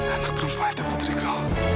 anak perempuan itu putriku